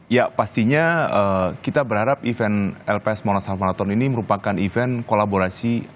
ya pastinya kita berharap event lps monas ham marathon ini merupakan event kolaborasi